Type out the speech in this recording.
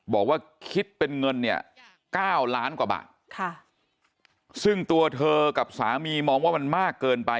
บอกว่าคิดเป็นเงินเนี่ยเก้าล้านกว่าบาทค่ะซึ่งตัวเธอกับสามีมองว่ามันมากเกินไป